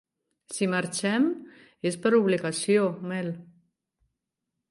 Si marxem és per obligació, Mel.